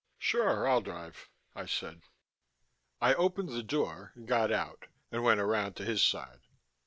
"Sure I'll drive," I said. I opened the door and got out and went around to his side.